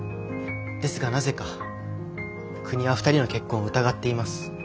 ですがなぜか国は２人の結婚を疑っています。